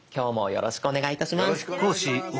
よろしくお願いします。